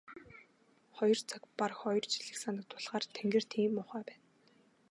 Хоёр цаг бараг хоёр жилийг санагдуулахаар тэнгэр тийм муухай байна.